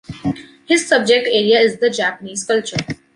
His subject area is the Japanese Culture.